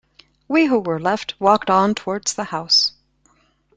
We who were left walked on towards the house.